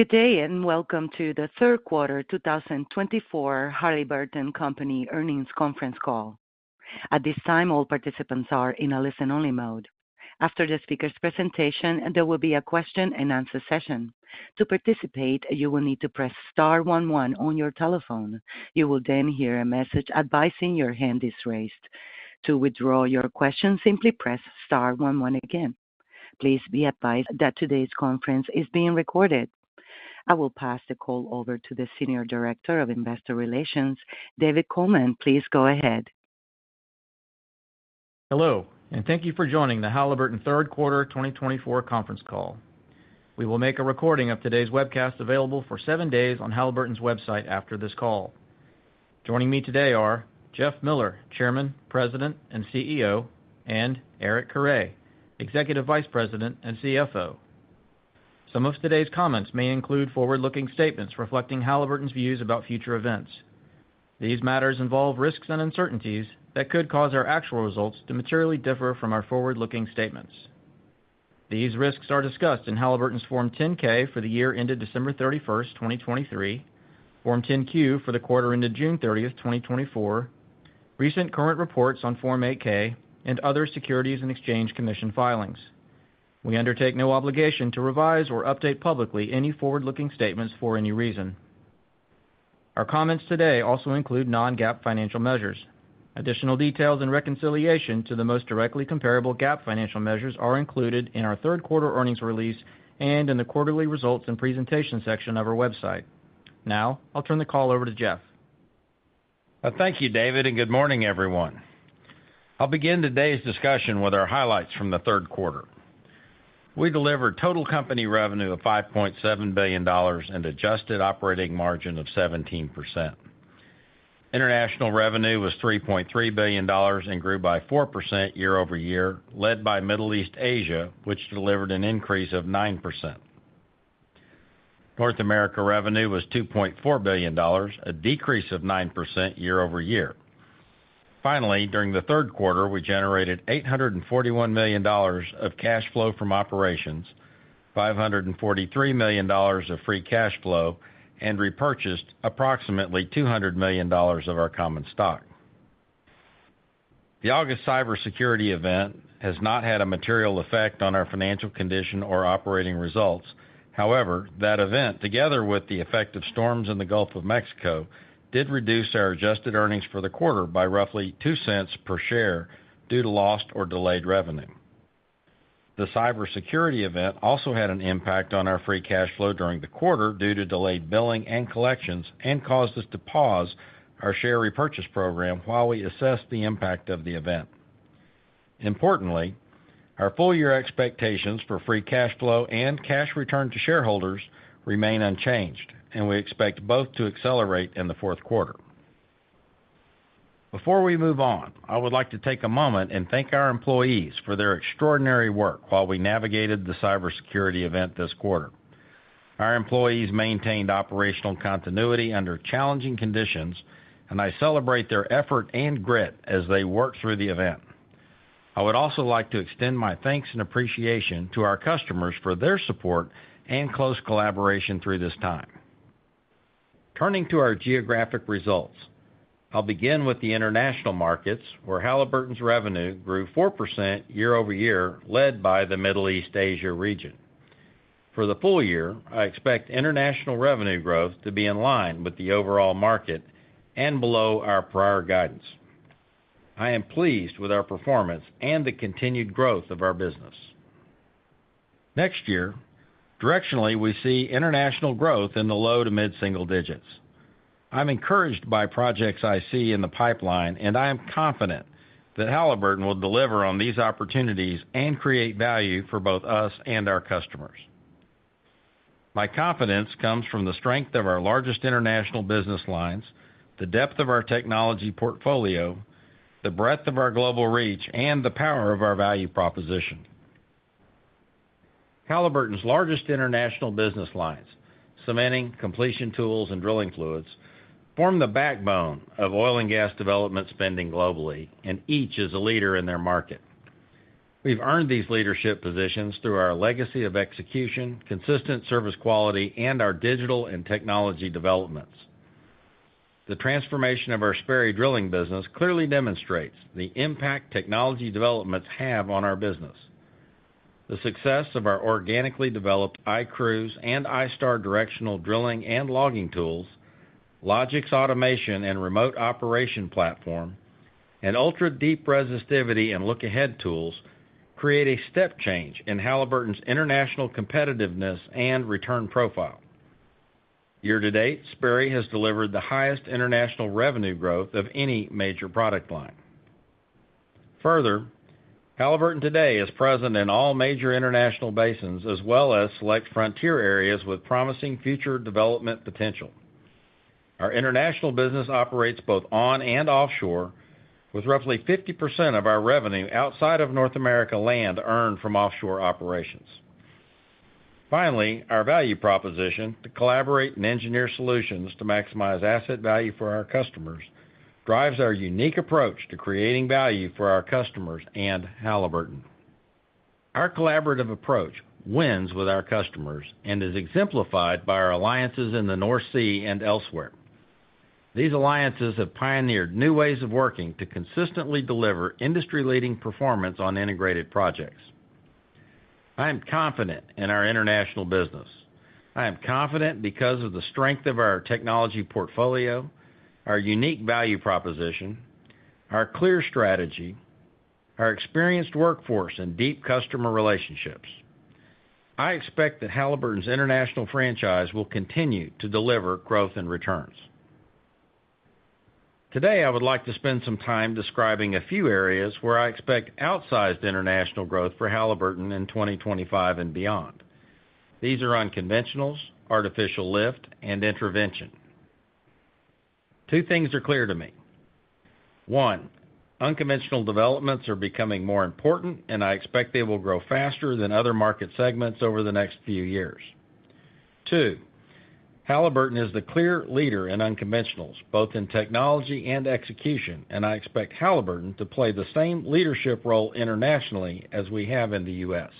Good day and welcome to the third quarter 2024 Halliburton Company Earnings Conference Call. At this time, all participants are in a listen-only mode. After the speaker's presentation, there will be a question-and-answer session. To participate, you will need to press star 11 on your telephone. You will then hear a message advising your hand is raised. To withdraw your question, simply press star 11 again. Please be advised that today's conference is being recorded. I will pass the call over to the Senior Director of Investor Relations, David Coleman. Please go ahead. Hello, and thank you for joining the Halliburton third quarter 2024 conference call. We will make a recording of today's webcast available for seven days on Halliburton's website after this call. Joining me today are Jeff Miller, Chairman, President, and CEO, and Eric Carre, Executive Vice President and CFO. Some of today's comments may include forward-looking statements reflecting Halliburton's views about future events. These matters involve risks and uncertainties that could cause our actual results to materially differ from our forward-looking statements. These risks are discussed in Halliburton's Form 10-K for the year ended December 31st, 2023, Form 10-Q for the quarter ended June 30th, 2024, recent current reports on Form 8-K, and other Securities and Exchange Commission filings. We undertake no obligation to revise or update publicly any forward-looking statements for any reason. Our comments today also include non-GAAP financial measures. Additional details and reconciliation to the most directly comparable GAAP financial measures are included in our third quarter earnings release and in the quarterly results and presentation section of our website. Now, I'll turn the call over to Jeff. Thank you, David, and good morning, everyone. I'll begin today's discussion with our highlights from the third quarter. We delivered total company revenue of $5.7 billion and adjusted operating margin of 17%. International revenue was $3.3 billion and grew by 4% year over year, led by Middle East/Asia, which delivered an increase of 9%. North America revenue was $2.4 billion, a decrease of 9% year over year. Finally, during the third quarter, we generated $841 million of cash flow from operations, $543 million of free cash flow, and repurchased approximately $200 million of our common stock. The August cybersecurity event has not had a material effect on our financial condition or operating results. However, that event, together with the effect of storms in the Gulf of Mexico, did reduce our adjusted earnings for the quarter by roughly $0.02 per share due to lost or delayed revenue. The cybersecurity event also had an impact on our free cash flow during the quarter due to delayed billing and collections and caused us to pause our share repurchase program while we assessed the impact of the event. Importantly, our full-year expectations for free cash flow and cash return to shareholders remain unchanged, and we expect both to accelerate in the fourth quarter. Before we move on, I would like to take a moment and thank our employees for their extraordinary work while we navigated the cybersecurity event this quarter. Our employees maintained operational continuity under challenging conditions, and I celebrate their effort and grit as they worked through the event. I would also like to extend my thanks and appreciation to our customers for their support and close collaboration through this time. Turning to our geographic results, I'll begin with the international markets, where Halliburton's revenue grew 4% year over year, led by the Middle East Asia region. For the full year, I expect international revenue growth to be in line with the overall market and below our prior guidance. I am pleased with our performance and the continued growth of our business. Next year, directionally, we see international growth in the low to mid-single digits. I'm encouraged by projects I see in the pipeline, and I am confident that Halliburton will deliver on these opportunities and create value for both us and our customers. My confidence comes from the strength of our largest international business lines, the depth of our technology portfolio, the breadth of our global reach, and the power of our value proposition. Halliburton's largest international business lines, cementing, completion tools, and drilling fluids, form the backbone of oil and gas development spending globally, and each is a leader in their market. We've earned these leadership positions through our legacy of execution, consistent service quality, and our digital and technology developments. The transformation of our Sperry Drilling business clearly demonstrates the impact technology developments have on our business. The success of our organically developed iCruise and iStar directional drilling and logging tools, Logix Automation and Remote Operation Platform, and Ultra Deep Resistivity and Lookahead tools create a step change in Halliburton's international competitiveness and return profile. Year to date, Sperry has delivered the highest international revenue growth of any major product line. Further, Halliburton today is present in all major international basins as well as select frontier areas with promising future development potential. Our international business operates both onshore and offshore, with roughly 50% of our revenue outside of North America land earned from offshore operations. Finally, our value proposition to collaborate and engineer solutions to maximize asset value for our customers drives our unique approach to creating value for our customers and Halliburton. Our collaborative approach wins with our customers and is exemplified by our alliances in the North Sea and elsewhere. These alliances have pioneered new ways of working to consistently deliver industry-leading performance on integrated projects. I am confident in our international business. I am confident because of the strength of our technology portfolio, our unique value proposition, our clear strategy, our experienced workforce, and deep customer relationships. I expect that Halliburton's international franchise will continue to deliver growth and returns. Today, I would like to spend some time describing a few areas where I expect outsized international growth for Halliburton in 2025 and beyond. These are unconventionals, artificial lift, and intervention. Two things are clear to me. One, unconventional developments are becoming more important, and I expect they will grow faster than other market segments over the next few years. Two, Halliburton is the clear leader in unconventionals, both in technology and execution, and I expect Halliburton to play the same leadership role internationally as we have in the U.S.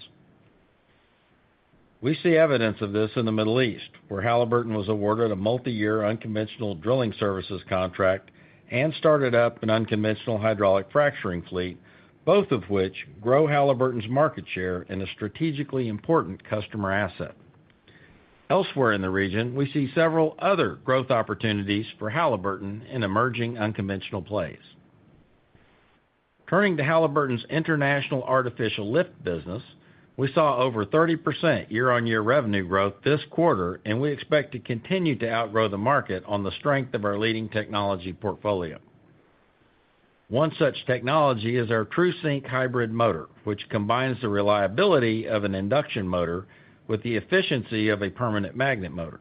We see evidence of this in the Middle East, where Halliburton was awarded a multi-year unconventional drilling services contract and started up an unconventional hydraulic fracturing fleet, both of which grow Halliburton's market share in a strategically important customer asset. Elsewhere in the region, we see several other growth opportunities for Halliburton in emerging unconventional plays. Turning to Halliburton's international artificial lift business, we saw over 30% year-on-year revenue growth this quarter, and we expect to continue to outgrow the market on the strength of our leading technology portfolio. One such technology is our TruSync hybrid motor, which combines the reliability of an induction motor with the efficiency of a permanent magnet motor.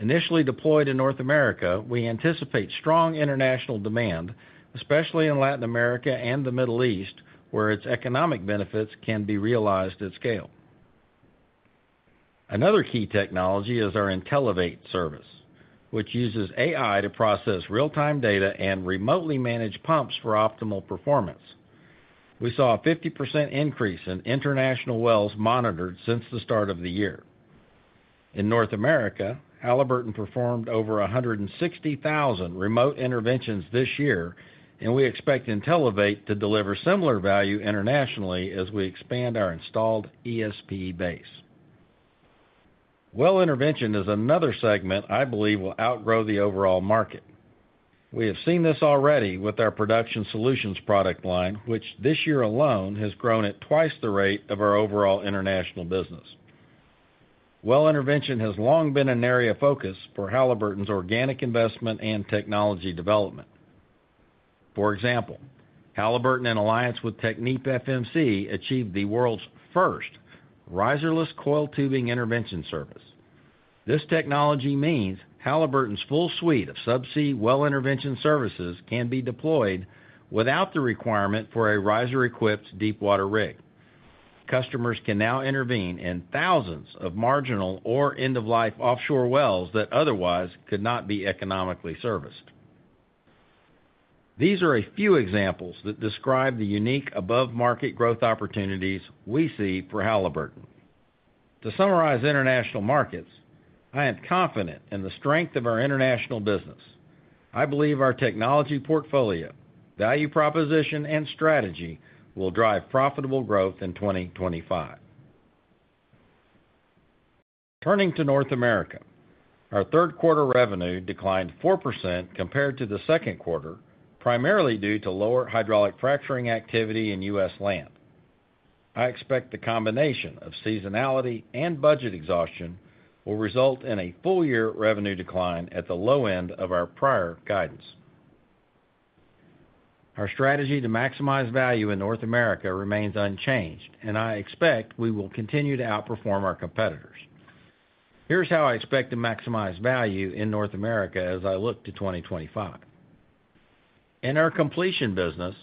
Initially deployed in North America, we anticipate strong international demand, especially in Latin America and the Middle East, where its economic benefits can be realized at scale. Another key technology is our Intellivate service, which uses AI to process real-time data and remotely manage pumps for optimal performance. We saw a 50% increase in international wells monitored since the start of the year. In North America, Halliburton performed over 160,000 remote interventions this year, and we expect Intellivate to deliver similar value internationally as we expand our installed ESP base. Well intervention is another segment I believe will outgrow the overall market. We have seen this already with our production solutions product line, which this year alone has grown at twice the rate of our overall international business. Well intervention has long been an area of focus for Halliburton's organic investment and technology development. For example, Halliburton in alliance with TechnipFMC achieved the world's first riserless coiled tubing intervention service. This technology means Halliburton's full suite of subsea well intervention services can be deployed without the requirement for a riser-equipped deep-water rig. Customers can now intervene in thousands of marginal or end-of-life offshore wells that otherwise could not be economically serviced. These are a few examples that describe the unique above-market growth opportunities we see for Halliburton. To summarize international markets, I am confident in the strength of our international business. I believe our technology portfolio, value proposition, and strategy will drive profitable growth in 2025. Turning to North America, our third quarter revenue declined 4% compared to the second quarter, primarily due to lower hydraulic fracturing activity in U.S. land. I expect the combination of seasonality and budget exhaustion will result in a full-year revenue decline at the low end of our prior guidance. Our strategy to maximize value in North America remains unchanged, and I expect we will continue to outperform our competitors. Here's how I expect to maximize value in North America as I look to 2025. In our completion business,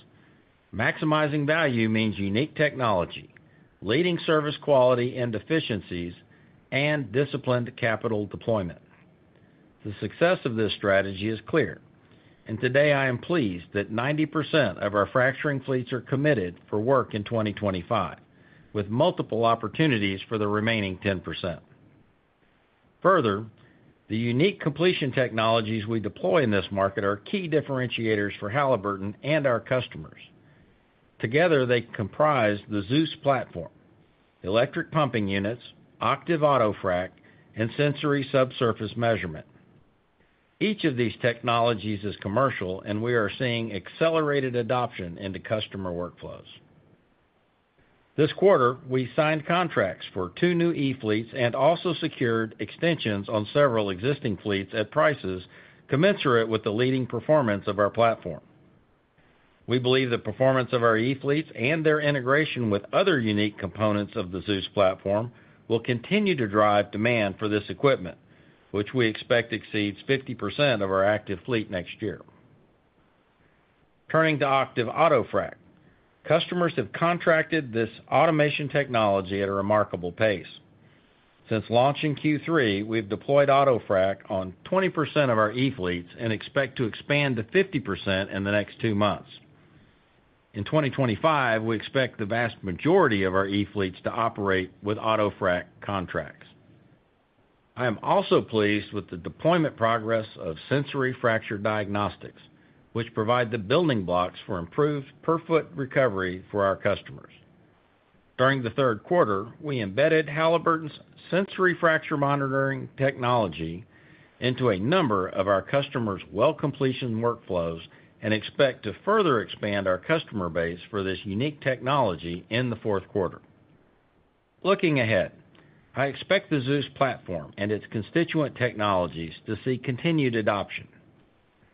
maximizing value means unique technology, leading service quality and efficiencies, and disciplined capital deployment. The success of this strategy is clear, and today I am pleased that 90% of our fracturing fleets are committed for work in 2025, with multiple opportunities for the remaining 10%. Further, the unique completion technologies we deploy in this market are key differentiators for Halliburton and our customers. Together, they comprise the Zeus platform, electric pumping units, Octave auto frac, and Sensori subsurface measurement. Each of these technologies is commercial, and we are seeing accelerated adoption into customer workflows. This quarter, we signed contracts for two new E-fleets and also secured extensions on several existing fleets at prices commensurate with the leading performance of our platform. We believe the performance of our E-fleets and their integration with other unique components of the Zeus platform will continue to drive demand for this equipment, which we expect exceeds 50% of our active fleet next year. Turning to Octave auto frac, customers have contracted this automation technology at a remarkable pace. Since launching Q3, we've deployed auto frac on 20% of our E fleets and expect to expand to 50% in the next two months. In 2025, we expect the vast majority of our E fleets to operate with auto frac contracts. I am also pleased with the deployment progress of sensory fracture diagnostics, which provide the building blocks for improved per-foot recovery for our customers. During the third quarter, we embedded Halliburton's sensory fracture monitoring technology into a number of our customers' well completion workflows and expect to further expand our customer base for this unique technology in the fourth quarter. Looking ahead, I expect the Zeus platform and its constituent technologies to see continued adoption.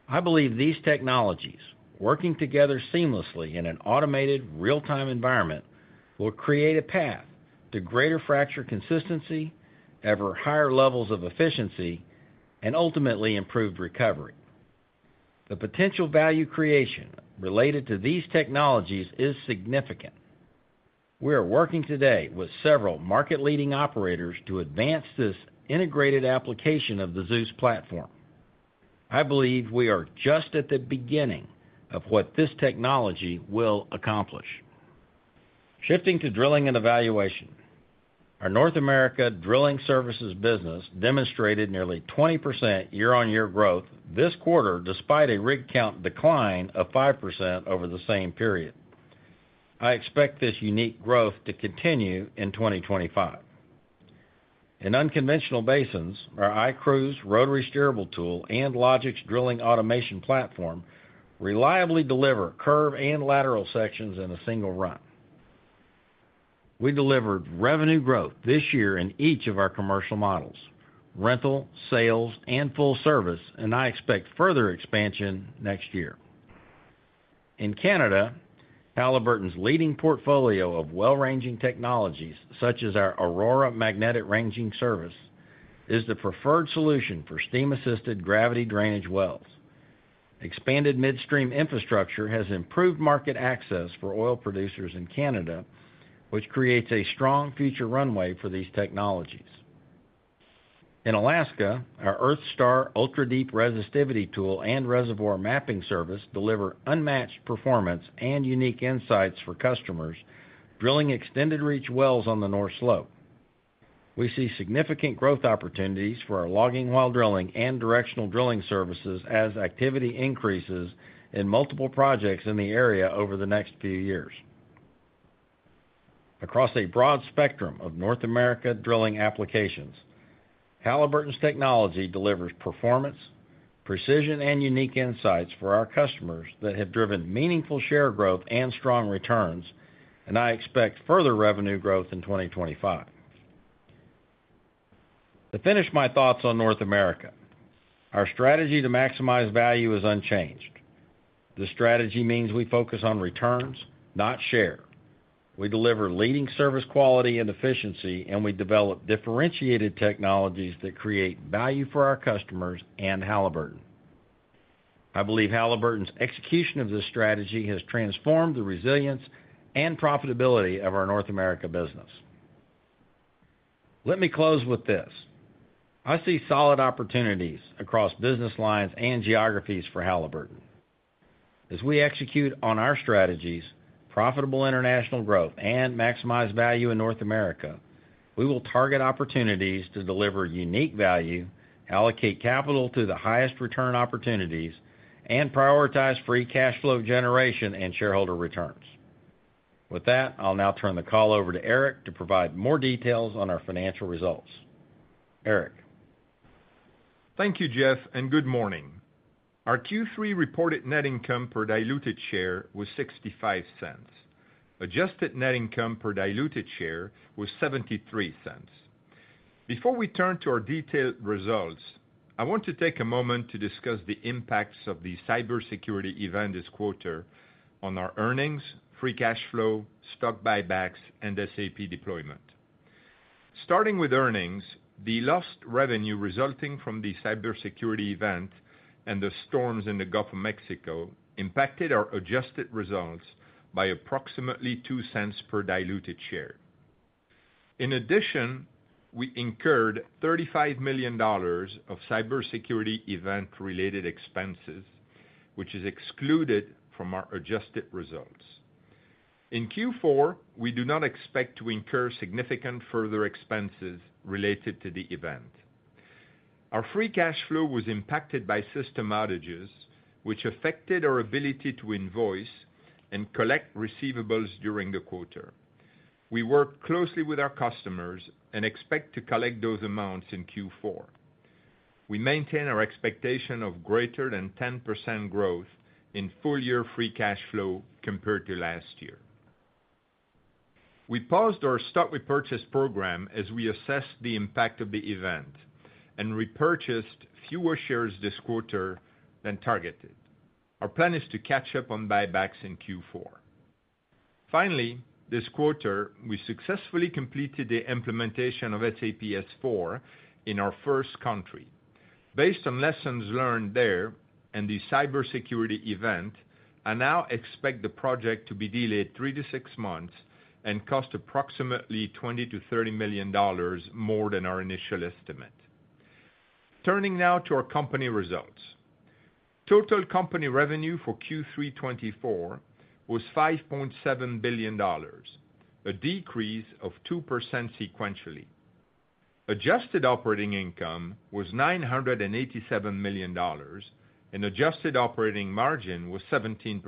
I believe these technologies, working together seamlessly in an automated real-time environment, will create a path to greater fracture consistency, ever higher levels of efficiency, and ultimately improved recovery. The potential value creation related to these technologies is significant. We are working today with several market-leading operators to advance this integrated application of the Zeus platform. I believe we are just at the beginning of what this technology will accomplish. Shifting to drilling and evaluation, our North America drilling services business demonstrated nearly 20% year-on-year growth this quarter, despite a rig count decline of 5% over the same period. I expect this unique growth to continue in 2025. In unconventional basins, our iCruise rotary steerable tool and Logix drilling automation platform reliably deliver curve and lateral sections in a single run. We delivered revenue growth this year in each of our commercial models, rental, sales, and full service, and I expect further expansion next year. In Canada, Halliburton's leading portfolio of well-ranging technologies, such as our Aurora magnetic ranging service, is the preferred solution for steam-assisted gravity drainage wells. Expanded midstream infrastructure has improved market access for oil producers in Canada, which creates a strong future runway for these technologies. In Alaska, our EarthStar ultra-deep resistivity tool and reservoir mapping service deliver unmatched performance and unique insights for customers drilling extended reach wells on the North Slope. We see significant growth opportunities for our logging while drilling and directional drilling services as activity increases in multiple projects in the area over the next few years. Across a broad spectrum of North America drilling applications, Halliburton's technology delivers performance, precision, and unique insights for our customers that have driven meaningful share growth and strong returns, and I expect further revenue growth in 2025. To finish my thoughts on North America, our strategy to maximize value is unchanged. The strategy means we focus on returns, not share. We deliver leading service quality and efficiency, and we develop differentiated technologies that create value for our customers and Halliburton. I believe Halliburton's execution of this strategy has transformed the resilience and profitability of our North America business. Let me close with this: I see solid opportunities across business lines and geographies for Halliburton. As we execute on our strategies, profitable international growth, and maximize value in North America, we will target opportunities to deliver unique value, allocate capital to the highest return opportunities, and prioritize free cash flow generation and shareholder returns. With that, I'll now turn the call over to Eric to provide more details on our financial results. Eric. Thank you, Jeff, and good morning. Our Q3 reported net income per diluted share was $0.65. Adjusted net income per diluted share was $0.73. Before we turn to our detailed results, I want to take a moment to discuss the impacts of the cybersecurity event this quarter on our earnings, free cash flow, stock buybacks, and SAP deployment. Starting with earnings, the lost revenue resulting from the cybersecurity event and the storms in the Gulf of Mexico impacted our adjusted results by approximately $0.02 per diluted share. In addition, we incurred $35 million of cybersecurity event-related expenses, which is excluded from our adjusted results. In Q4, we do not expect to incur significant further expenses related to the event. Our free cash flow was impacted by system outages, which affected our ability to invoice and collect receivables during the quarter. We work closely with our customers and expect to collect those amounts in Q4. We maintain our expectation of greater than 10% growth in full-year free cash flow compared to last year. We paused our stock repurchase program as we assessed the impact of the event and repurchased fewer shares this quarter than targeted. Our plan is to catch up on buybacks in Q4. Finally, this quarter, we successfully completed the implementation of SAP S/4 in our first country. Based on lessons learned there and the cybersecurity event, I now expect the project to be delayed three to six months and cost approximately $20-$30 million more than our initial estimate. Turning now to our company results, total company revenue for Q3 2024 was $5.7 billion, a decrease of 2% sequentially. Adjusted operating income was $987 million, and adjusted operating margin was 17%.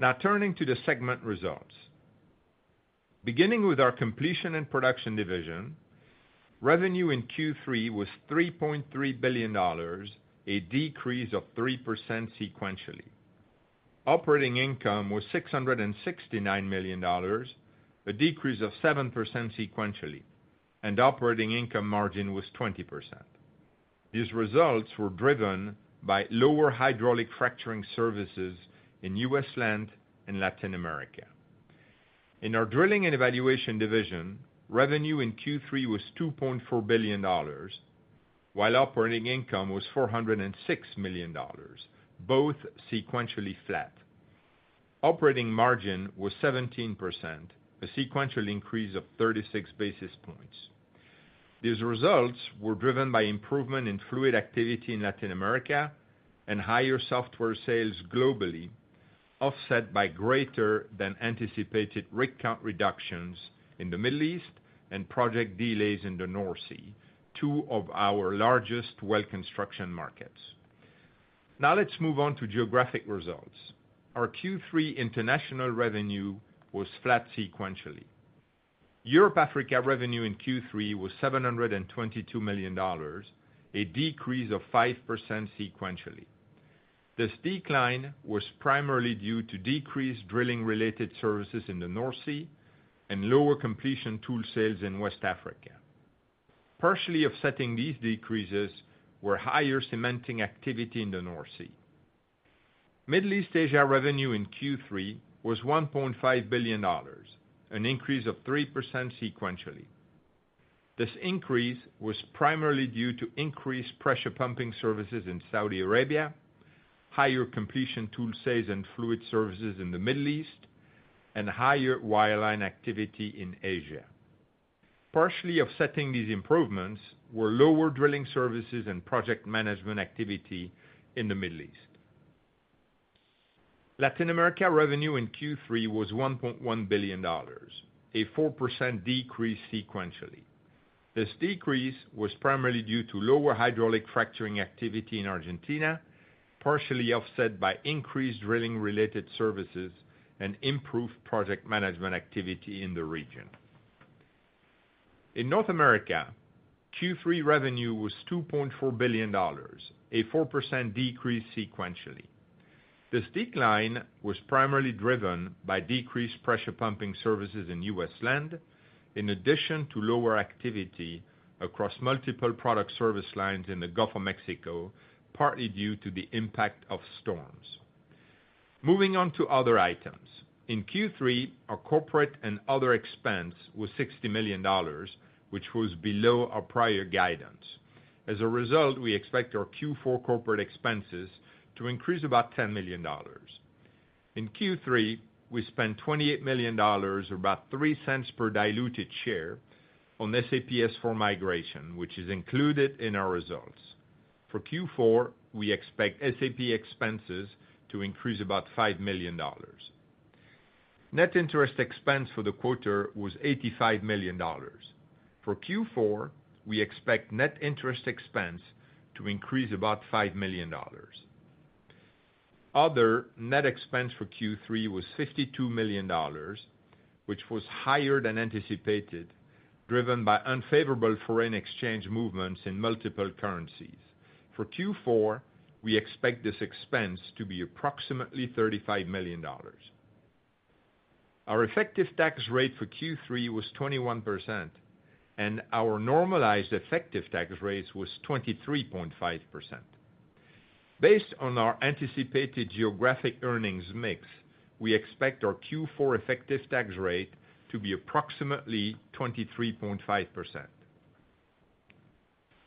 Now turning to the segment results. Beginning with our completion and production division, revenue in Q3 was $3.3 billion, a decrease of 3% sequentially. Operating income was $669 million, a decrease of 7% sequentially, and operating income margin was 20%. These results were driven by lower hydraulic fracturing services in U.S. land and Latin America. In our drilling and evaluation division, revenue in Q3 was $2.4 billion, while operating income was $406 million, both sequentially flat. Operating margin was 17%, a sequential increase of 36 basis points. These results were driven by improvement in fluid activity in Latin America and higher software sales globally, offset by greater than anticipated rig count reductions in the Middle East and project delays in the North Sea, two of our largest well construction markets. Now let's move on to geographic results. Our Q3 international revenue was flat sequentially. Europe/Africa revenue in Q3 was $722 million, a decrease of 5% sequentially. This decline was primarily due to decreased drilling-related services in the North Sea and lower completion tool sales in West Africa. Partially offsetting these decreases were higher cementing activity in the North Sea. Middle East Asia revenue in Q3 was $1.5 billion, an increase of 3% sequentially. This increase was primarily due to increased pressure pumping services in Saudi Arabia, higher completion tool sales and fluid services in the Middle East, and higher wireline activity in Asia. Partially offsetting these improvements were lower drilling services and project management activity in the Middle East. Latin America revenue in Q3 was $1.1 billion, a 4% decrease sequentially. This decrease was primarily due to lower hydraulic fracturing activity in Argentina, partially offset by increased drilling-related services and improved project management activity in the region. In North America, Q3 revenue was $2.4 billion, a 4% decrease sequentially. This decline was primarily driven by decreased pressure pumping services in U.S. land, in addition to lower activity across multiple product service lines in the Gulf of Mexico, partly due to the impact of storms. Moving on to other items. In Q3, our corporate and other expense was $60 million, which was below our prior guidance. As a result, we expect our Q4 corporate expenses to increase about $10 million. In Q3, we spent $28 million, or about $0.03 per diluted share, on SAP S/4 migration, which is included in our results. For Q4, we expect SAP expenses to increase about $5 million. Net interest expense for the quarter was $85 million. For Q4, we expect net interest expense to increase about $5 million. Other net expense for Q3 was $52 million, which was higher than anticipated, driven by unfavorable foreign exchange movements in multiple currencies. For Q4, we expect this expense to be approximately $35 million. Our effective tax rate for Q3 was 21%, and our normalized effective tax rate was 23.5%. Based on our anticipated geographic earnings mix, we expect our Q4 effective tax rate to be approximately 23.5%.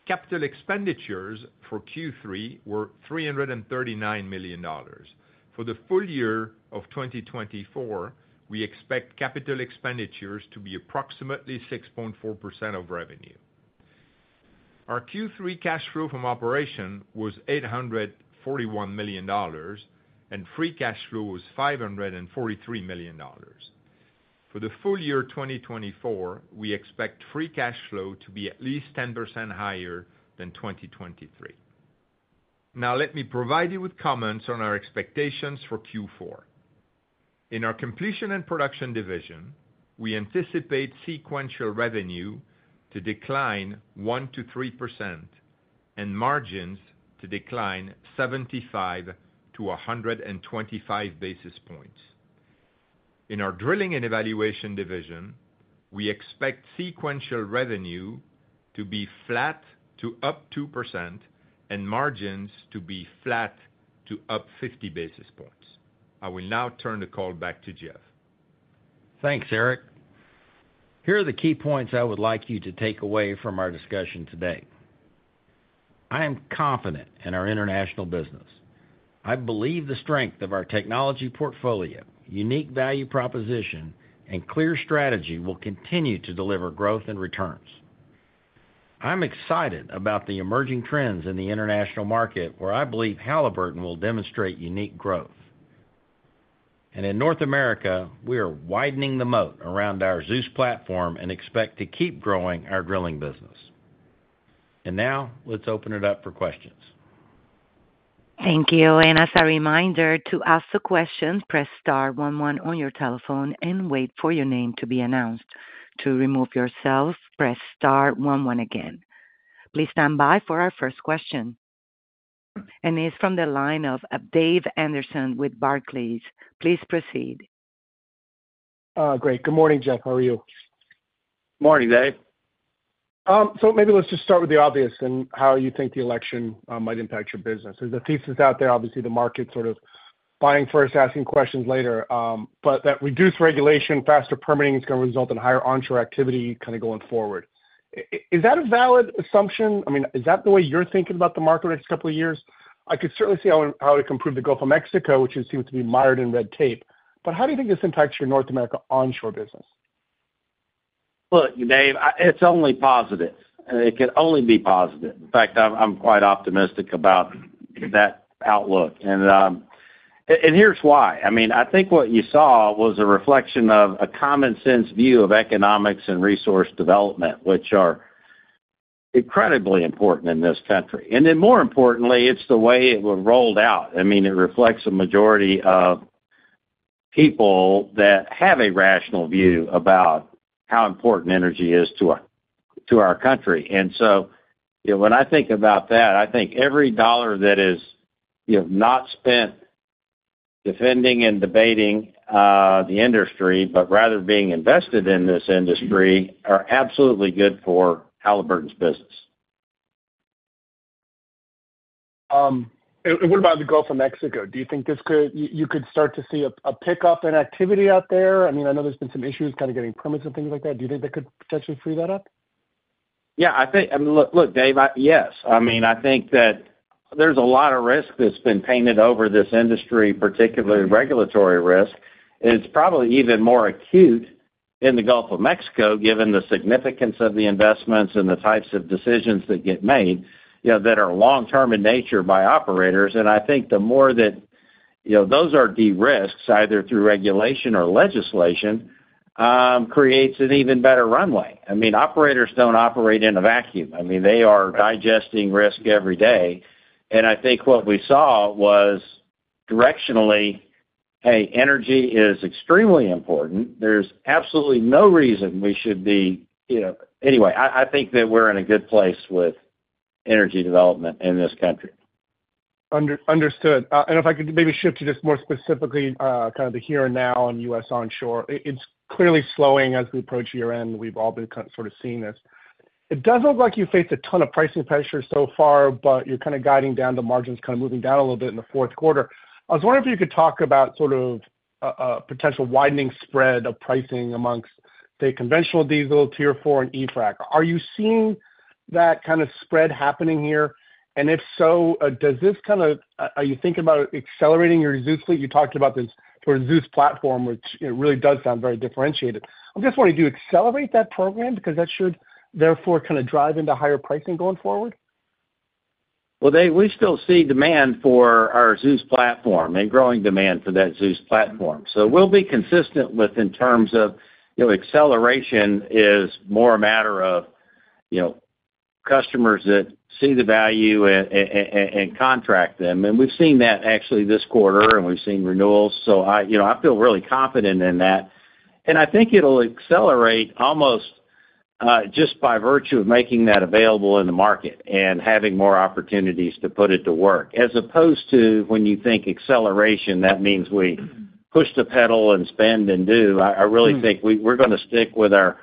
Capital expenditures for Q3 were $339 million. For the full year of 2024, we expect capital expenditures to be approximately 6.4% of revenue. Our Q3 cash flow from operations was $841 million, and free cash flow was $543 million. For the full year 2024, we expect free cash flow to be at least 10% higher than 2023. Now let me provide you with comments on our expectations for Q4. In our completion and production division, we anticipate sequential revenue to decline 1% to 3% and margins to decline 75 to 125 basis points. In our drilling and evaluation division, we expect sequential revenue to be flat to up 2% and margins to be flat to up 50 basis points. I will now turn the call back to Jeff. Thanks, Eric. Here are the key points I would like you to take away from our discussion today. I am confident in our international business. I believe the strength of our technology portfolio, unique value proposition, and clear strategy will continue to deliver growth and returns. I'm excited about the emerging trends in the international market, where I believe Halliburton will demonstrate unique growth. And in North America, we are widening the moat around our Zeus platform and expect to keep growing our drilling business. And now let's open it up for questions. Thank you, Elena. As a reminder, to ask the question, press star 11 on your telephone and wait for your name to be announced. To remove yourself, press star 11 again. Please stand by for our first question. And it is from the line of Dave Anderson with Barclays. Please proceed. Great. Good morning, Jeff. How are you? Good morning, Dave. So maybe let's just start with the obvious and how you think the election might impact your business. There's a thesis out there, obviously, the market sort of buying first, asking questions later. But that reduced regulation, faster permitting is going to result in higher onshore activity kind of going forward. Is that a valid assumption? I mean, is that the way you're thinking about the market for the next couple of years? I could certainly see how it can improve the Gulf of Mexico, which seems to be mired in red tape. But how do you think this impacts your North America onshore business? Well, Dave, it's only positive. It can only be positive. In fact, I'm quite optimistic about that outlook. And here's why. I mean, I think what you saw was a reflection of a common sense view of economics and resource development, which are incredibly important in this country. And then more importantly, it's the way it was rolled out. I mean, it reflects a majority of people that have a rational view about how important energy is to our country. And so when I think about that, I think every dollar that is not spent defending and debating the industry, but rather being invested in this industry, are absolutely good for Halliburton's business. What about the Gulf of Mexico? Do you think you could start to see a pickup in activity out there? I mean, I know there's been some issues kind of getting permits and things like that. Do you think that could potentially free that up? Yeah. I mean, look, Dave, yes. I mean, I think that there's a lot of risk that's been painted over this industry, particularly regulatory risk. It's probably even more acute in the Gulf of Mexico, given the significance of the investments and the types of decisions that get made that are long-term in nature by operators. And I think the more that those are derisks, either through regulation or legislation, creates an even better runway. I mean, operators don't operate in a vacuum. I mean, they are digesting risk every day. And I think what we saw was directionally, hey, energy is extremely important. There's absolutely no reason we should be anyway. I think that we're in a good place with energy development in this country. Understood. And if I could maybe shift to just more specifically, kind of the here and now and U.S. onshore. It's clearly slowing as we approach year-end. We've all been sort of seeing this. It doesn't look like you faced a ton of pricing pressure so far, but you're kind of guiding down the margins, kind of moving down a little bit in the fourth quarter. I was wondering if you could talk about sort of a potential widening spread of pricing amongst the conventional diesel, Tier 4, and e-frac. Are you seeing that kind of spread happening here? And if so, does this kind of are you thinking about accelerating your Zeus fleet? You talked about this sort of Zeus platform, which really does sound very differentiated. I just want to do accelerate that program because that should therefore kind of drive into higher pricing going forward? Well, Dave, we still see demand for our Zeus platform and growing demand for that Zeus platform. So we'll be consistent within terms of acceleration is more a matter of customers that see the value and contract them. And we've seen that actually this quarter, and we've seen renewals. So I feel really confident in that. And I think it'll accelerate almost just by virtue of making that available in the market and having more opportunities to put it to work. As opposed to when you think acceleration, that means we push the pedal and spend and do. I really think we're going to stick with our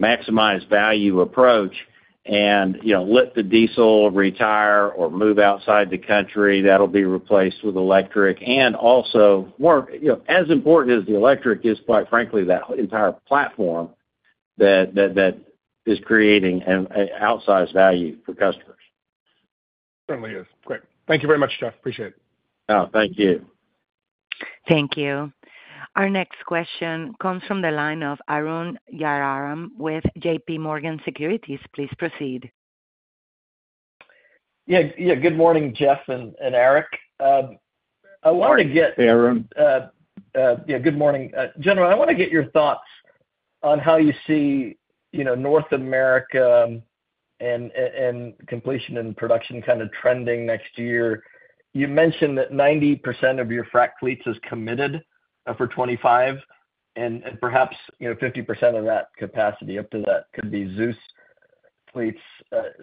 maximized value approach and let the diesel retire or move outside the country. That'll be replaced with electric. And also, as important as the electric is, quite frankly, that entire platform that is creating an outsized value for customers. Certainly is. Great. Thank you very much, Jeff. Appreciate it. Oh, thank you. Thank you. Our next question comes from the line of Arun Jayaram with J.P. Morgan Securities. Please proceed. Yeah. Good morning, Jeff and Eric. Generally, I want to get your thoughts on how you see North America and completion and production kind of trending next year. You mentioned that 90% of your frac fleets is committed for 2025, and perhaps 50% of that capacity up to that could be Zeus fleets.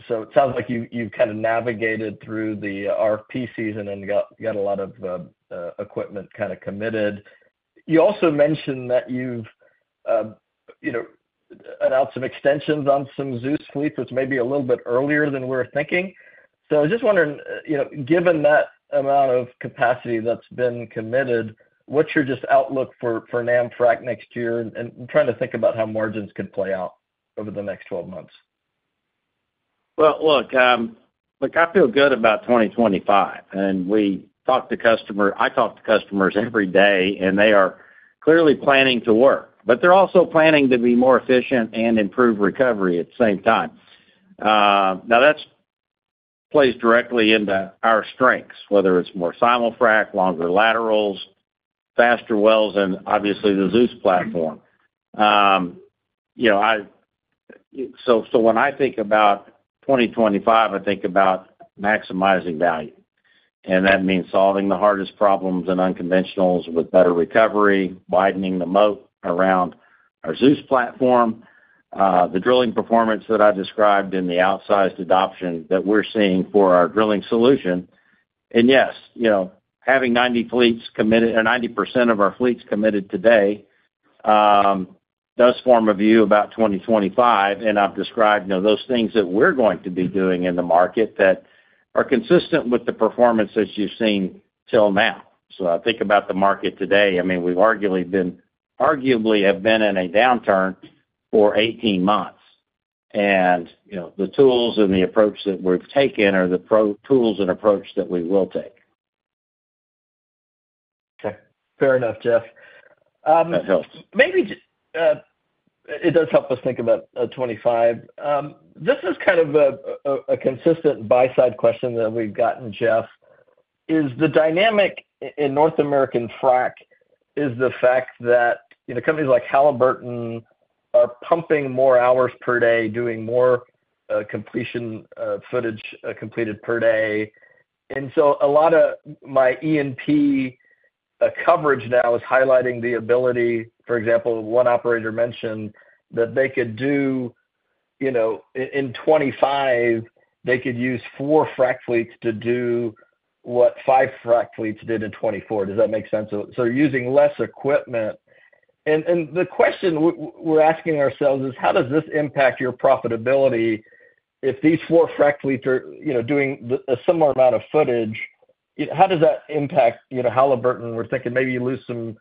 So it sounds like you've kind of navigated through the RFP season and got a lot of equipment kind of committed. You also mentioned that you've announced some extensions on some Zeus fleets, which may be a little bit earlier than we're thinking. So I was just wondering, given that amount of capacity that's been committed, what's your just outlook for NAM FRAC next year? And I'm trying to think about how margins could play out over the next 12 months. Look, I feel good about 2025, and we talk to customers. I talk to customers every day, and they are clearly planning to work, but they're also planning to be more efficient and improve recovery at the same time. Now, that plays directly into our strengths, whether it's more Simul-Frac, longer laterals, faster wells, and obviously the Zeus platform, so when I think about 2025, I think about maximizing value. And that means solving the hardest problems and unconventionals with better recovery, widening the moat around our Zeus platform, the drilling performance that I described in the outsized adoption that we're seeing for our drilling solution. And yes, having 90 fleets committed or 90% of our fleets committed today does form a view about 2025. And I've described those things that we're going to be doing in the market that are consistent with the performance that you've seen till now. So I think about the market today. I mean, we've arguably been in a downturn for 18 months. And the tools and the approach that we've taken are the tools and approach that we will take. Okay. Fair enough, Jeff. That helps. Maybe it does help us think about 2025. This is kind of a consistent buy-side question that we've gotten, Jeff. Is the dynamic in North America frac is the fact that companies like Halliburton are pumping more hours per day, doing more completion footage completed per day, and so a lot of my E&P coverage now is highlighting the ability, for example, one operator mentioned that they could do in 2025, they could use four frac fleets to do what five frac fleets did in 2024. Does that make sense, so using less equipment, and the question we're asking ourselves is, how does this impact your profitability if these four frac fleets are doing a similar amount of footage? How does that impact Halliburton? We're thinking maybe you lose some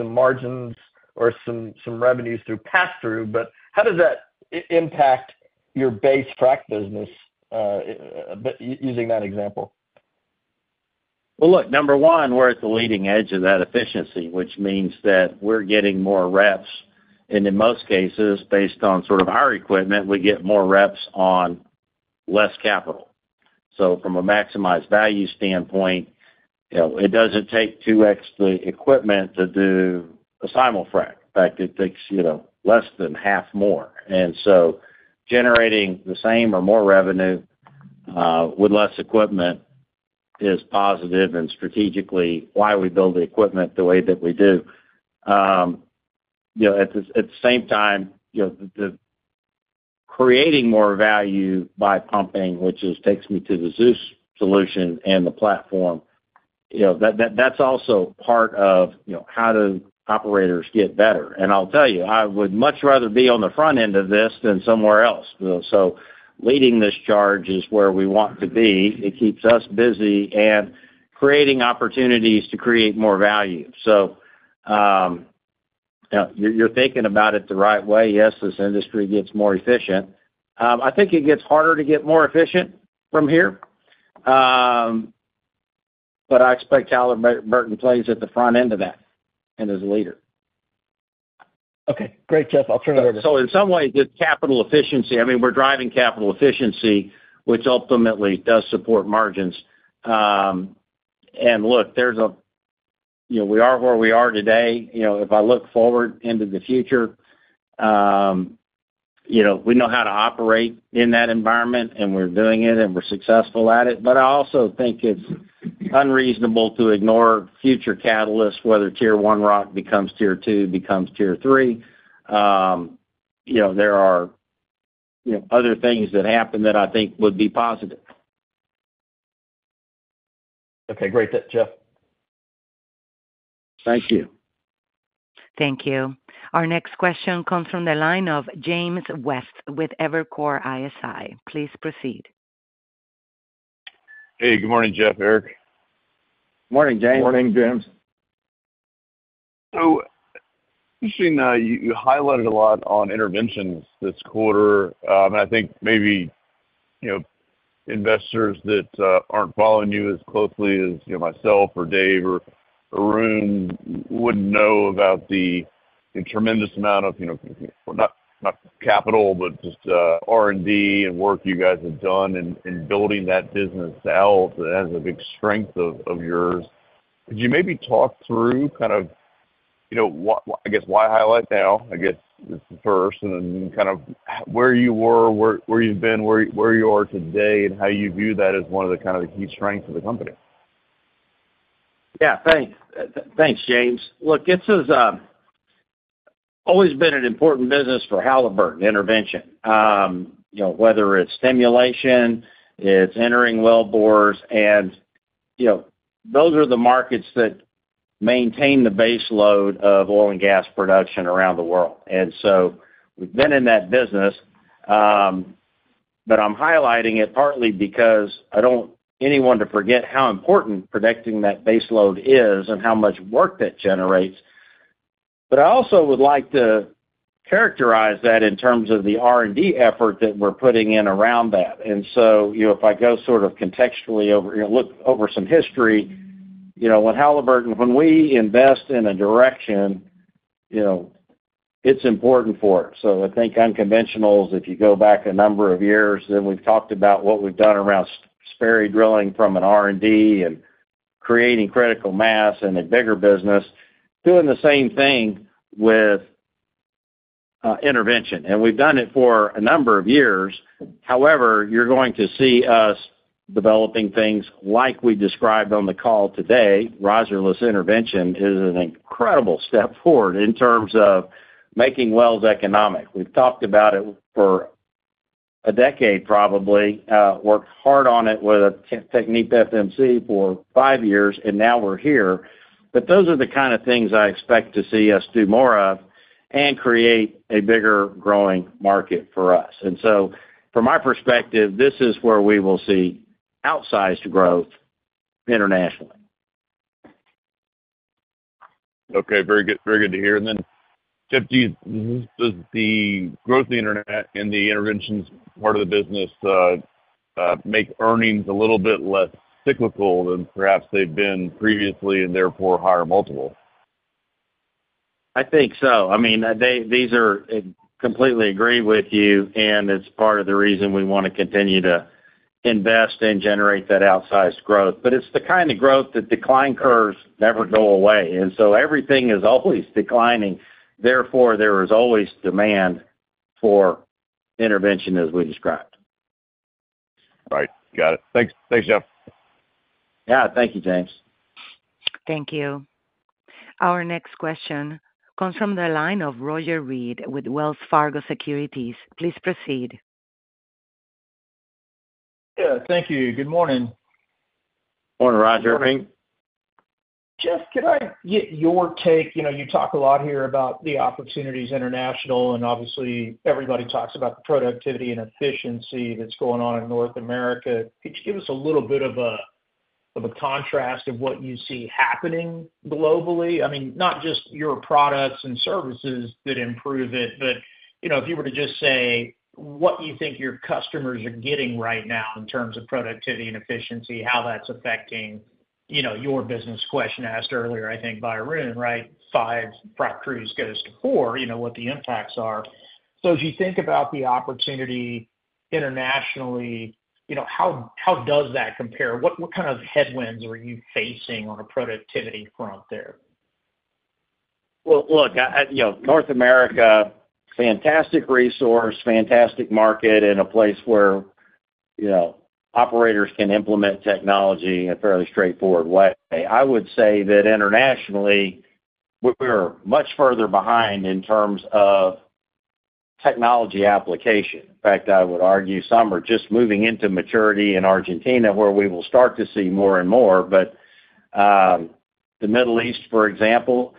margins or some revenues through pass-through, but how does that impact your base frac business using that example? Well, look, number one, we're at the leading edge of that efficiency, which means that we're getting more reps. In most cases, based on sort of our equipment, we get more reps on less capital. From a maximized value standpoint, it doesn't take two extra equipment to do a simul frac. In fact, it takes less than half more. Generating the same or more revenue with less equipment is positive and strategically why we build the equipment the way that we do. At the same time, creating more value by pumping, which takes me to the Zeus solution and the platform, that's also part of how do operators get better. I'll tell you, I would much rather be on the front end of this than somewhere else. Leading this charge is where we want to be. It keeps us busy and creating opportunities to create more value. You're thinking about it the right way. Yes, this industry gets more efficient. I think it gets harder to get more efficient from here, but I expect Halliburton plays at the front end of that and as a leader. Okay. Great, Jeff. I'll turn it over to you. So in some ways, it's capital efficiency. I mean, we're driving capital efficiency, which ultimately does support margins and look, we are where we are today. If I look forward into the future, we know how to operate in that environment, and we're doing it, and we're successful at it but I also think it's unreasonable to ignore future catalysts, whether Tier 1 rock becomes Tier 2, becomes Tier 3. There are other things that happen that I think would be positive. Okay. Great, Jeff. Thank you. Thank you. Our next question comes from the line of James West with Evercore ISI. Please proceed. Hey, good morning, Jeff. Eric. Morning, James. Morning, James. So you highlighted a lot on interventions this quarter. And I think maybe investors that aren't following you as closely as myself or Dave or Arun wouldn't know about the tremendous amount of not capital, but just R&D and work you guys have done in building that business out as a big strength of yours. Could you maybe talk through kind of, I guess, why highlight now? I guess this is first, and then kind of where you were, where you've been, where you are today, and how you view that as one of the kind of key strengths of the company? Yeah. Thanks. Thanks, James. Look, it's always been an important business for Halliburton intervention, whether it's stimulation, it's entering wellbores, and those are the markets that maintain the base load of oil and gas production around the world. And so we've been in that business. But I'm highlighting it partly because I don't want anyone to forget how important predicting that base load is and how much work that generates. But I also would like to characterize that in terms of the R&D effort that we're putting in around that. And so if I go sort of contextually over, look over some history, when we invest in a direction, it's important for it. So I think unconventionals, if you go back a number of years, then we've talked about what we've done around Sperry drilling from an R&D and creating critical mass and a bigger business, doing the same thing with intervention. And we've done it for a number of years. However, you're going to see us developing things like we described on the call today. Riserless intervention is an incredible step forward in terms of making wells economic. We've talked about it for a decade, probably worked hard on it with TechnipFMC for five years, and now we're here. But those are the kind of things I expect to see us do more of and create a bigger growing market for us. And so from my perspective, this is where we will see outsized growth internationally. Okay. Very good to hear. And then, Jeff, does the growth in the interventions part of the business make earnings a little bit less cyclical than perhaps they've been previously and therefore higher multiple? I think so. I mean, I completely agree with you, and it's part of the reason we want to continue to invest and generate that outsized growth. But it's the kind of growth that decline curves never go away. And so everything is always declining. Therefore, there is always demand for intervention, as we described. Right. Got it. Thanks, Jeff. Yeah. Thank you, James. Thank you. Our next question comes from the line of Roger Reid with Wells Fargo Securities. Please proceed. Yeah. Thank you. Good morning. Morning, Roger. Good morning. Jeff, could I get your take? You talk a lot here about the opportunities international, and obviously, everybody talks about the productivity and efficiency that's going on in North America. Could you give us a little bit of a contrast of what you see happening globally? I mean, not just your products and services that improve it, but if you were to just say what you think your customers are getting right now in terms of productivity and efficiency, how that's affecting your business? Question asked earlier, I think, by Arun, right? Five frac crews goes to four, what the impacts are. So as you think about the opportunity internationally, how does that compare? What kind of headwinds are you facing on a productivity front there? Well, look, North America, fantastic resource, fantastic market, and a place where operators can implement technology in a fairly straightforward way. I would say that internationally, we're much further behind in terms of technology application. In fact, I would argue some are just moving into maturity in Argentina, where we will start to see more and more. But the Middle East, for example,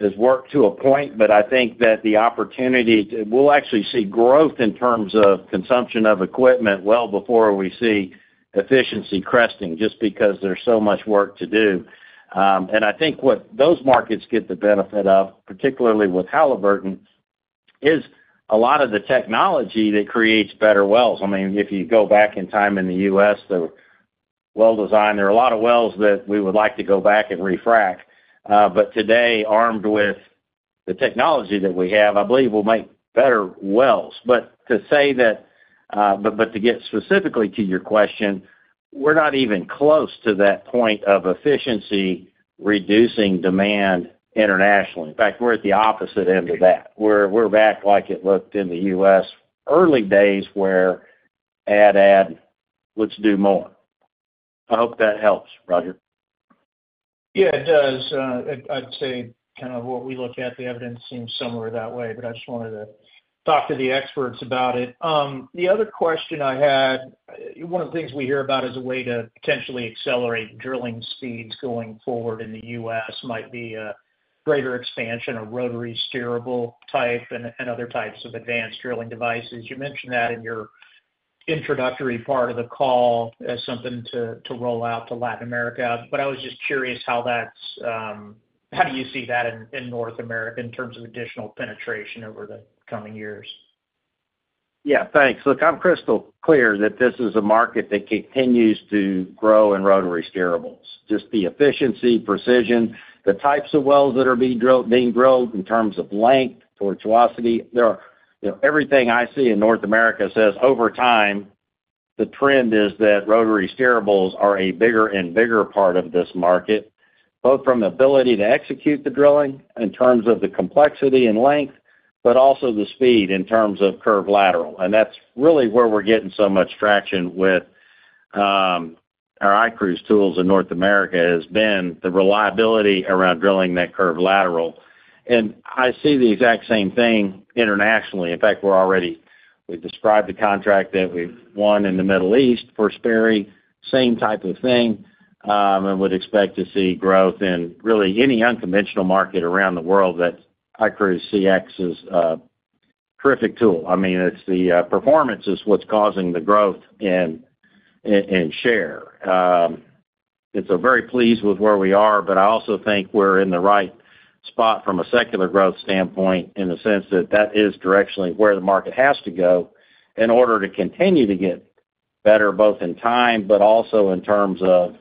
has worked to a point, but I think that the opportunity, we'll actually see growth in terms of consumption of equipment well before we see efficiency cresting just because there's so much work to do. And I think what those markets get the benefit of, particularly with Halliburton, is a lot of the technology that creates better wells. I mean, if you go back in time in the U.S., the well design, there are a lot of wells that we would like to go back and refrack. But today, armed with the technology that we have, I believe we'll make better wells. But to say that, but to get specifically to your question, we're not even close to that point of efficiency reducing demand internationally. In fact, we're at the opposite end of that. We're back like it looked in the U.S. early days where add, add, let's do more. I hope that helps, Roger. Yeah, it does. I'd say kind of what we look at, the evidence seems similar that way, but I just wanted to talk to the experts about it. The other question I had, one of the things we hear about as a way to potentially accelerate drilling speeds going forward in the U.S. might be a greater expansion of rotary steerable type and other types of advanced drilling devices. You mentioned that in your introductory part of the call as something to roll out to Latin America. But I was just curious how do you see that in North America in terms of additional penetration over the coming years? Yeah. Thanks. Look, I'm crystal clear that this is a market that continues to grow in rotary steerables. Just the efficiency, precision, the types of wells that are being drilled in terms of length, tortuosity. Everything I see in North America says over time, the trend is that rotary steerables are a bigger and bigger part of this market, both from the ability to execute the drilling in terms of the complexity and length, but also the speed in terms of curve lateral. And that's really where we're getting so much traction with our iCruise tools in North America has been the reliability around drilling that curve lateral. And I see the exact same thing internationally. In fact, we've described the contract that we've won in the Middle East for Sperry, same type of thing, and would expect to see growth in really any unconventional market around the world that iCruise CX is a terrific tool. I mean, it's the performance is what's causing the growth and share. I'm very pleased with where we are, but I also think we're in the right spot from a secular growth standpoint in the sense that that is directionally where the market has to go in order to continue to get better both in time, but also in terms of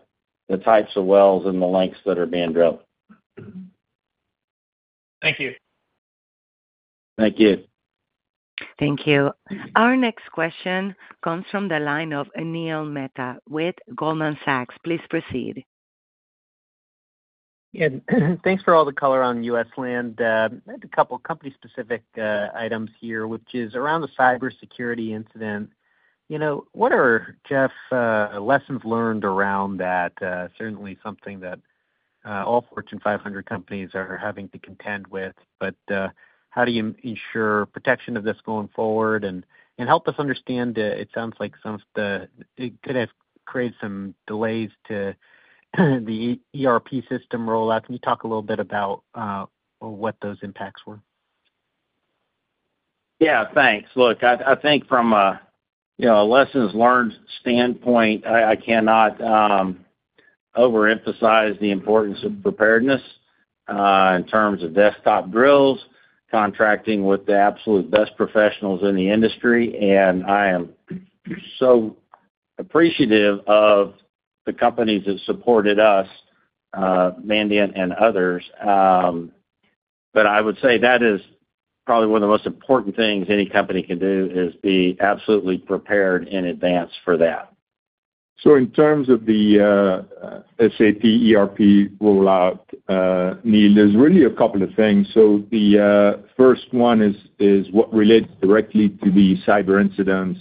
the types of wells and the lengths that are being drilled. Thank you. Thank you. Thank you. Our next question comes from the line of Neil Mehta with Goldman Sachs. Please proceed. Yeah. Thanks for all the color on U.S. land. A couple of company-specific items here, which is around the cybersecurity incident. What are, Jeff, lessons learned around that? Certainly something that all Fortune 500 companies are having to contend with. But how do you ensure protection of this going forward? And help us understand. It sounds like some of the IT could have created some delays to the ERP system rollout. Can you talk a little bit about what those impacts were? Yeah. Thanks. Look, I think from a lessons learned standpoint, I cannot overemphasize the importance of preparedness in terms of desktop drills, contracting with the absolute best professionals in the industry. And I am so appreciative of the companies that supported us, Mandiant and others. But I would say that is probably one of the most important things any company can do is be absolutely prepared in advance for that. So in terms of the SAP ERP rollout, Neil, there's really a couple of things. So the first one is what relates directly to the cyber incidents.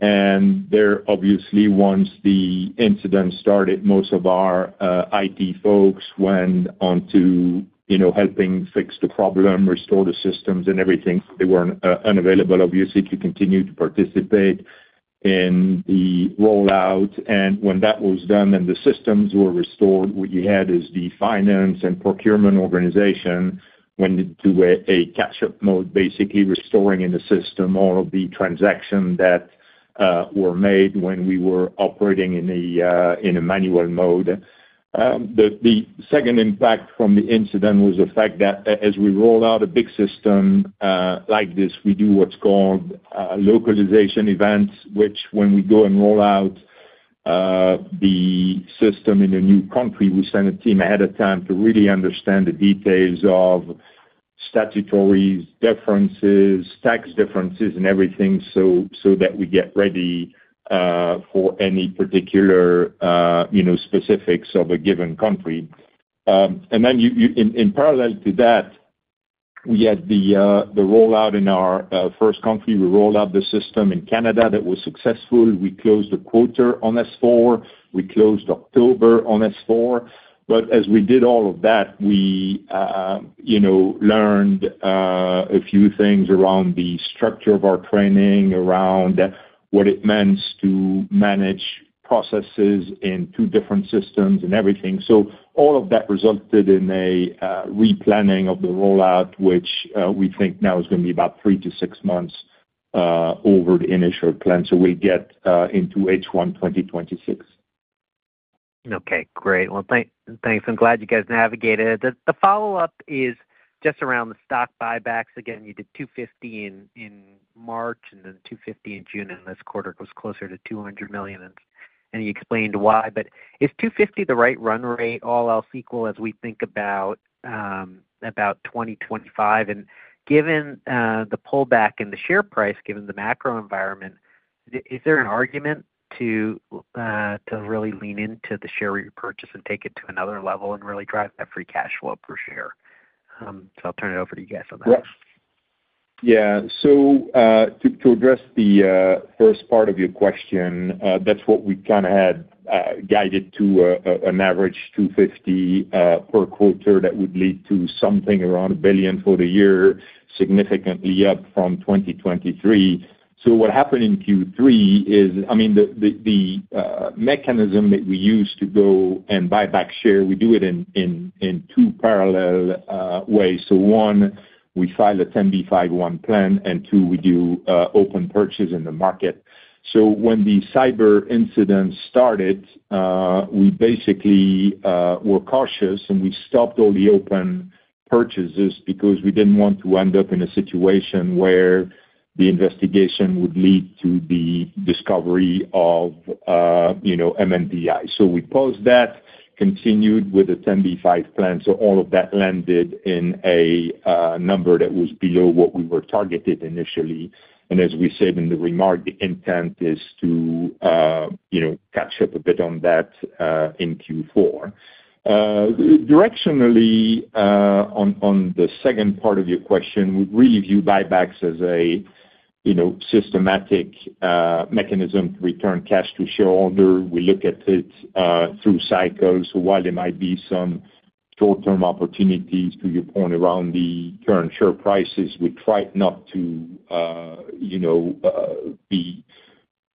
And there obviously, once the incident started, most of our IT folks went on to helping fix the problem, restore the systems, and everything. They weren't unavailable, obviously, to continue to participate in the rollout. And when that was done and the systems were restored, what you had is the finance and procurement organization went into a catch-up mode, basically restoring in the system all of the transactions that were made when we were operating in a manual mode. The second impact from the incident was the fact that as we roll out a big system like this, we do what's called localization events, which when we go and roll out the system in a new country, we send a team ahead of time to really understand the details of statutory differences, tax differences, and everything so that we get ready for any particular specifics of a given country. And then in parallel to that, we had the rollout in our first country. We rolled out the system in Canada that was successful. We closed the quarter on S/4. We closed October on S/4. But as we did all of that, we learned a few things around the structure of our training, around what it meant to manage processes in two different systems and everything. So all of that resulted in a replanning of the rollout, which we think now is going to be about three to six months over the initial plan. So we'll get into H1 2026. Okay. Great. Well, thanks. I'm glad you guys navigated it. The follow-up is just around the stock buybacks. Again, you did $250 million in March and then $250 million in June, and this quarter was closer to $200 million. And you explained why. But is 250 the right run rate? All else equal as we think about 2025. And given the pullback in the share price, given the macro environment, is there an argument to really lean into the share repurchase and take it to another level and really drive that free cash flow per share? So I'll turn it over to you guys on that. Yeah. So to address the first part of your question, that's what we kind of had guided to an average 250 per quarter that would lead to something around a billion for the year, significantly up from 2023. So what happened in Q3 is, I mean, the mechanism that we use to go and buy back share, we do it in two parallel ways. So one, we file a 10b5-1 plan, and two, we do open purchase in the market. When the cyber incidents started, we basically were cautious, and we stopped all the open purchases because we didn't want to end up in a situation where the investigation would lead to the discovery of MNPI. We paused that, continued with a 10b5-1 plan. All of that landed in a number that was below what we were targeted initially. As we said in the remark, the intent is to catch up a bit on that in Q4. Directionally, on the second part of your question, we really view buybacks as a systematic mechanism to return cash to shareholders. We look at it through cycles. While there might be some short-term opportunities, to your point around the current share prices, we try not to be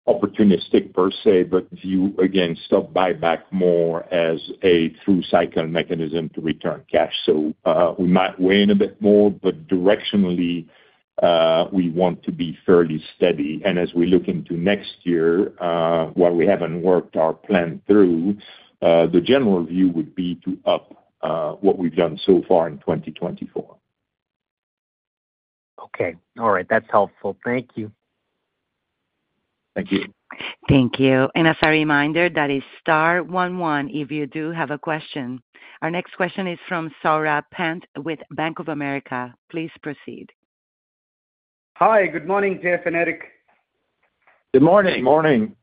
opportunistic per se, but view, again, stock buyback more as a through-cycle mechanism to return cash. So we might win a bit more, but directionally, we want to be fairly steady. And as we look into next year, while we haven't worked our plan through, the general view would be to up what we've done so far in 2024. Okay. All right. That's helpful. Thank you. Thank you. Thank you. And as a reminder, that is star 11 if you do have a question. Our next question is from Saurabh Pant with Bank of America. Please proceed. Hi. Good morning, Jeff and Eric. Good morning. Good morning.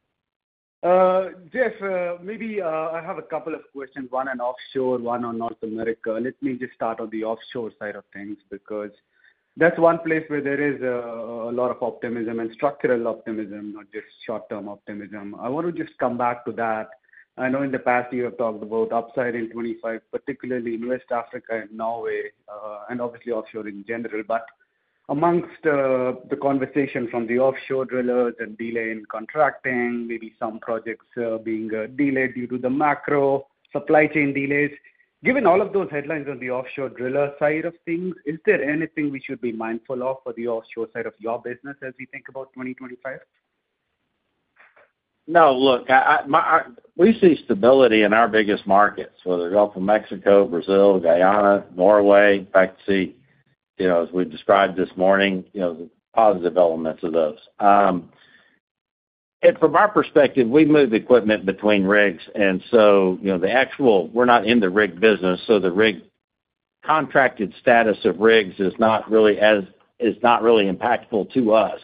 Jeff, maybe I have a couple of questions, one on offshore, one on North America. Let me just start on the offshore side of things because that's one place where there is a lot of optimism and structural optimism, not just short-term optimism. I want to just come back to that. I know in the past, you have talked about upside in 25, particularly in West Africa and Norway, and obviously offshore in general. But amongst the conversation from the offshore drillers and delay in contracting, maybe some projects being delayed due to the macro supply chain delays, given all of those headlines on the offshore driller side of things, is there anything we should be mindful of for the offshore side of your business as we think about 2025? No. Look, we see stability in our biggest markets, whether it's off of Mexico, Brazil, Guyana, Norway. In fact, see, as we described this morning, the positive elements of those. And from our perspective, we move equipment between rigs. And so actually we're not in the rig business, so the rig contracted status of rigs is not really impactful to us.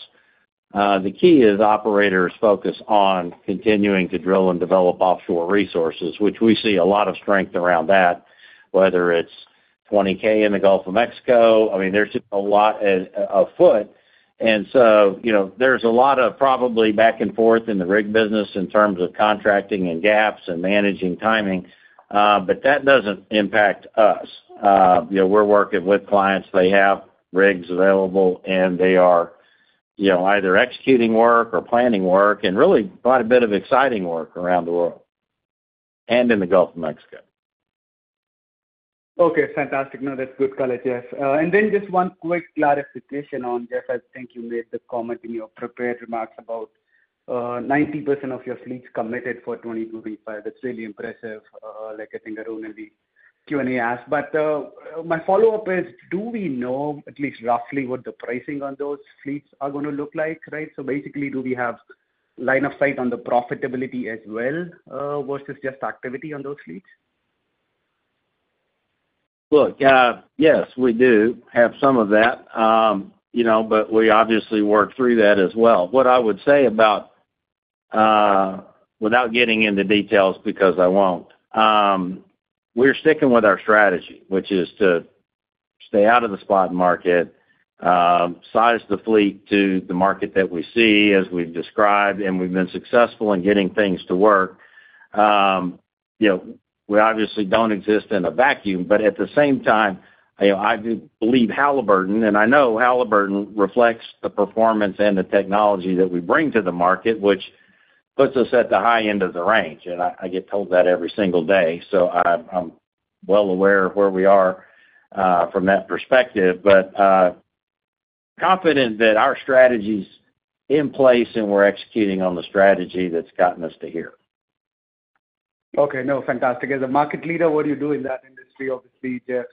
The key is operators focus on continuing to drill and develop offshore resources, which we see a lot of strength around that, whether it's 20K in the Gulf of Mexico. I mean, there's just a lot afoot. There's a lot of probably back and forth in the rig business in terms of contracting and gaps and managing timing, but that doesn't impact us. We're working with clients. They have rigs available, and they are either executing work or planning work and really quite a bit of exciting work around the world and in the Gulf of Mexico. Okay. Fantastic. No, that's good color, Jeff. Then just one quick clarification on Jeff. I think you made the comment in your prepared remarks about 90% of your fleets committed for 2025. That's really impressive. I think I wrote in the Q&A ask. But my follow-up is, do we know at least roughly what the pricing on those fleets are going to look like, right? So basically, do we have line of sight on the profitability as well versus just activity on those fleets? Look, yes, we do have some of that, but we obviously work through that as well. What I would say about without getting into details because I won't, we're sticking with our strategy, which is to stay out of the spot market, size the fleet to the market that we see as we've described, and we've been successful in getting things to work. We obviously don't exist in a vacuum, but at the same time, I do believe Halliburton, and I know Halliburton reflects the performance and the technology that we bring to the market, which puts us at the high end of the range. And I get told that every single day. So I'm well aware of where we are from that perspective, but confident that our strategy is in place and we're executing on the strategy that's gotten us to here. Okay. No, fantastic. As a market leader, what do you do in that industry? Obviously, Jeff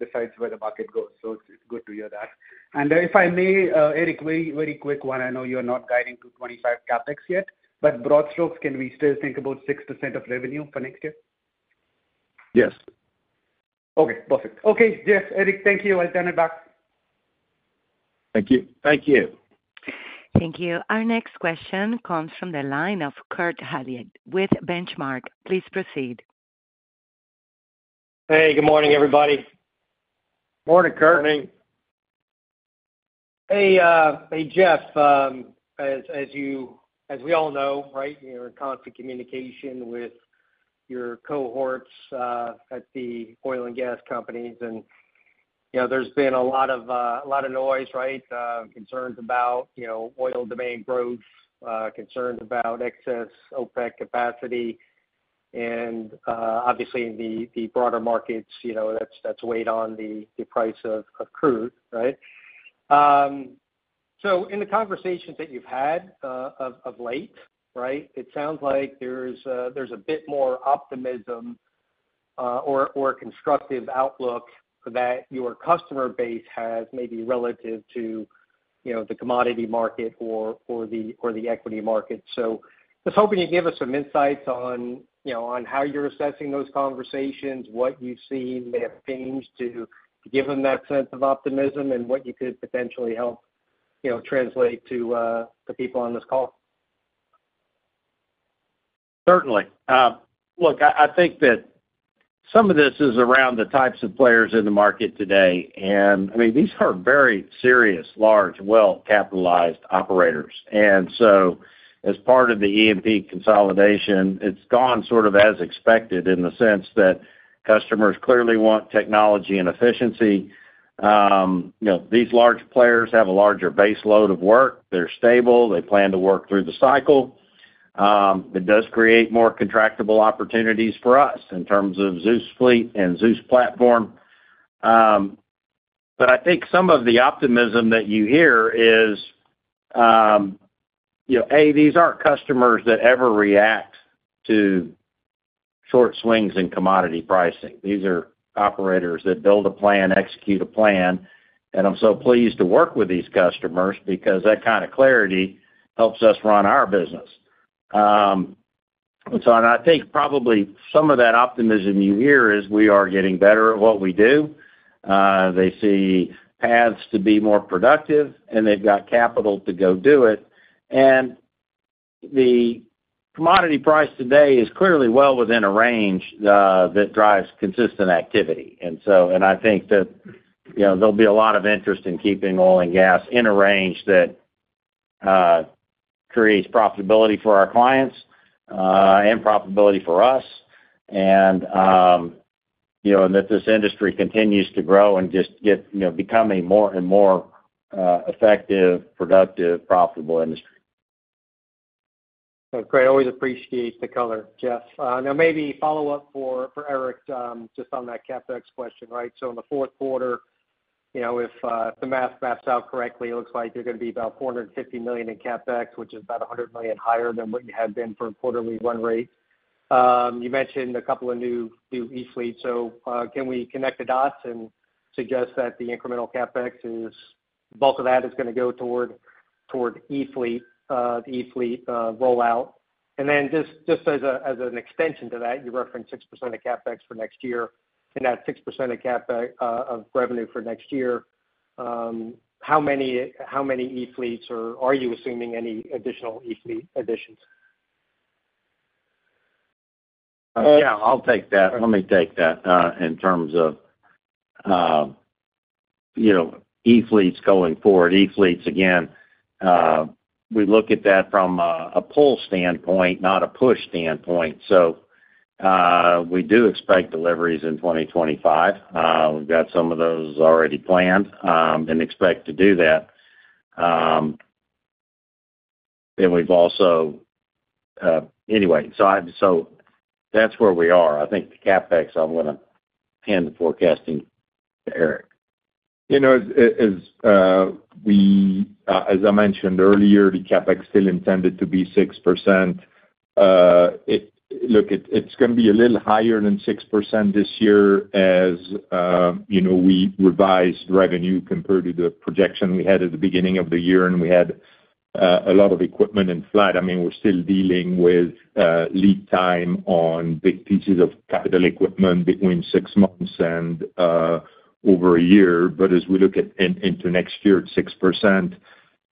decides where the market goes. So it's good to hear that. And if I may, Eric, very, very quick one. I know you're not guiding to 2025 CapEx yet, but broad strokes, can we still think about 6% of revenue for next year? Yes. Okay. Perfect. Okay. Jeff, Eric, thank you. I'll turn it back. Thank you. Thank you. Thank you. Our next question comes from the line of Kurt Hallead with The Benchmark Company. Please proceed. Hey. Good morning, everybody. Morning, Kurt. Morning. Hey, Jeff. As we all know, right, you're in constant communication with your cohorts at the oil and gas companies, and there's been a lot of noise, right, concerns about oil demand growth, concerns about excess OPEC capacity, and obviously, in the broader markets, that's weighed on the price of crude, right, so in the conversations that you've had of late, right, it sounds like there's a bit more optimism or a constructive outlook that your customer base has maybe relative to the commodity market or the equity market, so just hoping you give us some insights on how you're assessing those conversations, what you've seen may have changed to give them that sense of optimism, and what you could potentially help translate to the people on this call. Certainly. Look, I think that some of this is around the types of players in the market today. And I mean, these are very serious, large, well-capitalized operators. And so as part of the E&P consolidation, it's gone sort of as expected in the sense that customers clearly want technology and efficiency. These large players have a larger base load of work. They're stable. They plan to work through the cycle. It does create more contractible opportunities for us in terms of Zeus fleet and Zeus platform. But I think some of the optimism that you hear is, A, these aren't customers that ever react to short swings in commodity pricing. These are operators that build a plan, execute a plan. And I'm so pleased to work with these customers because that kind of clarity helps us run our business. And so I think probably some of that optimism you hear is we are getting better at what we do. They see paths to be more productive, and they've got capital to go do it. The commodity price today is clearly well within a range that drives consistent activity. I think that there'll be a lot of interest in keeping oil and gas in a range that creates profitability for our clients and profitability for us, and that this industry continues to grow and just become a more and more effective, productive, profitable industry. Okay. Always appreciate the color, Jeff. Now, maybe follow-up for Eric just on that CapEx question, right? So in the fourth quarter, if the math maps out correctly, it looks like there's going to be about $450 million in CapEx, which is about $100 million higher than what you had been for a quarterly run rate. You mentioned a couple of new E-fleets. So can we connect the dots and suggest that the incremental CapEx, the bulk of that is going to go toward E-fleet rollout? And then just as an extension to that, you referenced 6% of CapEx for next year. And that 6% of revenue for next year, how many E-fleets or are you assuming any additional E-fleet additions? Yeah. I'll take that. Let me take that in terms of E-fleets going forward. E-fleets, again, we look at that from a pull standpoint, not a push standpoint. So we do expect deliveries in 2025. We've got some of those already planned and expect to do that. Anyway, so that's where we are. I think the CapEx, I'm going to hand the forecasting to Eric. As I mentioned earlier, the CapEx still intended to be 6%. Look, it's going to be a little higher than 6% this year as we revise revenue compared to the projection we had at the beginning of the year, and we had a lot of equipment in flight. I mean, we're still dealing with lead time on big pieces of capital equipment between six months and over a year. But as we look into next year at 6%,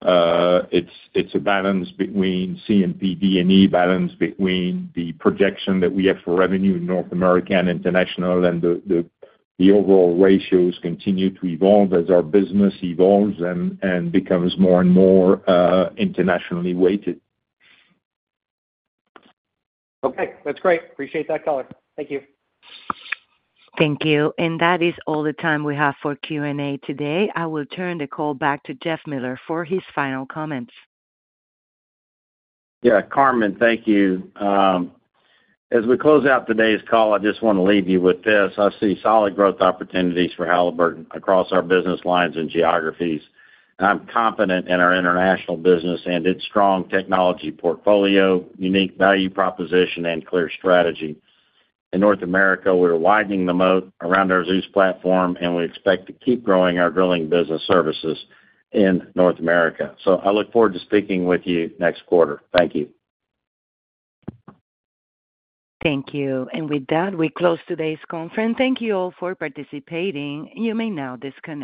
it's a balance between C&P, D&E, balance between the projection that we have for revenue in North America and International, and the overall ratios continue to evolve as our business evolves and becomes more and more internationally weighted. Okay. That's great. Appreciate that color. Thank you. Thank you. And that is all the time we have for Q&A today. I will turn the call back to Jeff Miller for his final comments. Yeah. Carmen, thank you. As we close out today's call, I just want to leave you with this. I see solid growth opportunities for Halliburton across our business lines and geographies. I'm confident in our international business and its strong technology portfolio, unique value proposition, and clear strategy. In North America, we're widening the moat around our Zeus platform, and we expect to keep growing our drilling business services in North America. So I look forward to speaking with you next quarter. Thank you. Thank you. And with that, we close today's conference. Thank you all for participating. You may now disconnect.